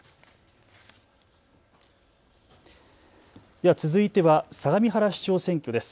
では続いては相模原市長選挙です。